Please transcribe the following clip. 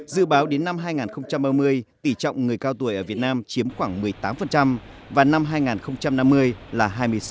dự báo đến năm hai nghìn ba mươi tỷ trọng người cao tuổi ở việt nam chiếm khoảng một mươi tám và năm hai nghìn năm mươi là hai mươi sáu